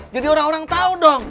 jadi orang orang tau dong